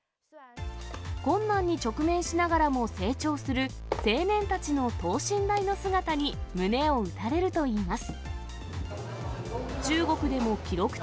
困難に直面しながらも成長する、青年たちの等身大の姿に、胸を打たれるといいます。